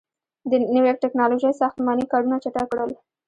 • نوي ټیکنالوژۍ ساختماني کارونه چټک کړل.